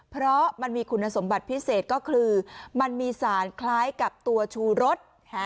เพราะมันมีคุณสมบัติพิเศษก็คือมันมีสารคล้ายกับตัวชูรส